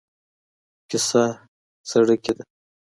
کیسه زړه کي ده.